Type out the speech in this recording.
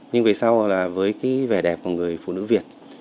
nhưng về sau là với cái vẻ đẹp của người phụ nữ việt